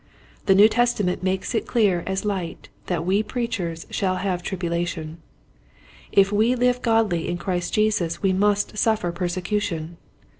The New Testament makes it clear as light that we preachers shall have tribulation. If we hve godly in Christ Jesus we must suffer persecution.